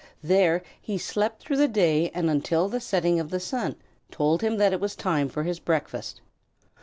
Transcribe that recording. There he slept through the day and until the setting of the sun told him that it was time for his breakfast.